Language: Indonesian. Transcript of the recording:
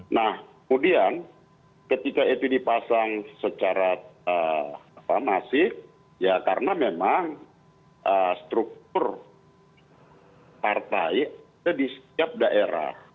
nah kemudian ketika itu dipasang secara masif ya karena memang struktur partai ada di setiap daerah